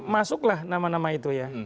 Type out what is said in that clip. masuklah nama nama itu ya